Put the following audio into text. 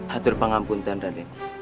hati pengampunan raden